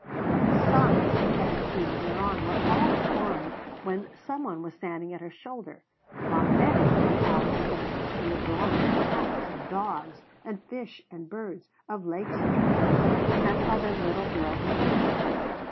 But the sums executed thereon were all performed when some one was standing at her shoulder, while many were the hours spent in the drawing of cats and dogs and fish and birds, of lakes and trees and other little girls and boys.